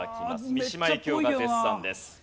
三島由紀夫が絶賛です。